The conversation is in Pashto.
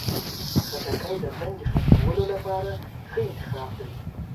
خټکی د تندې ختمولو لپاره ښه انتخاب دی.